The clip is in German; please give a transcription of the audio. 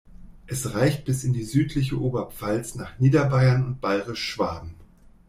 Es reicht bis in die südliche Oberpfalz, nach Niederbayern und Bayrisch Schwaben.